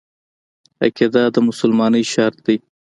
عقیده د مسلمانۍ شرط دی.